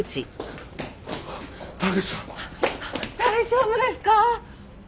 大丈夫ですか？